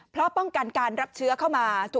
เพราะป้องกันการรับเชื้อเข้ามา